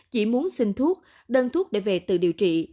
chỉ muốn xin thuốc đơn thuốc để về tự điều trị